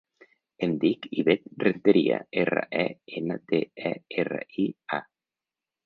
Em dic Ivet Renteria: erra, e, ena, te, e, erra, i, a.